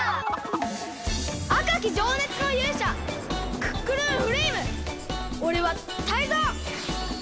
あかきじょうねつのゆうしゃクックルンフレイムおれはタイゾウ！